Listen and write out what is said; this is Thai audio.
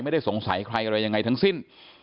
ไม่ได้สงสัยใครอะไรยังไงทั้งสิ้น